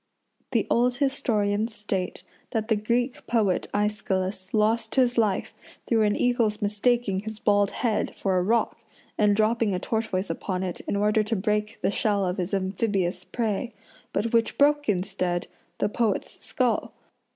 The old historians state that the Greek poet Aeschylus lost his life through an eagle's mistaking his bald head for a rock and dropping a tortoise upon it in order to break the shell of his amphibious prey, but which broke, instead, the poet's skull.